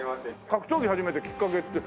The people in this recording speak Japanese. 格闘技始めたきっかけって？